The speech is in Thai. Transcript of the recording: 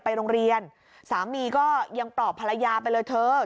โรงเรียนสามีก็ยังปลอบภรรยาไปเลยเถอะ